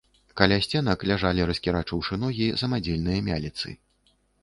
Каля сценак ляжалі, раскірачыўшы ногі, самадзельныя мяліцы.